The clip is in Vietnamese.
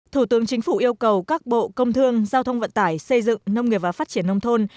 thủ tướng chính phủ yêu cầu các bộ công thương giao thông vận tải xây dựng nông nghiệp và phát triển nông thôn